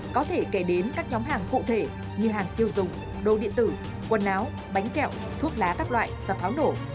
có thể kể đến các nhóm hàng cụ thể như hàng tiêu dùng đồ điện tử quần áo bánh kẹo thuốc lá các loại và pháo nổ